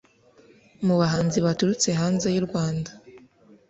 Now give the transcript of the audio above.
Mu bahanzi baturutse hanze y’u Rwanda